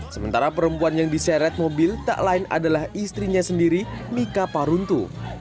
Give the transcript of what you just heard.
sementara perempuan yang diseret mobil tak lain adalah istrinya sendiri mika paruntu